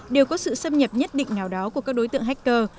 đều có sự xâm nhập nhất định nào đó của các đối tượng hacker